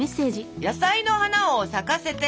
「野菜の花を咲かせて」。